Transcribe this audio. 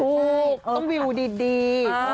ถูกต้องวิวดี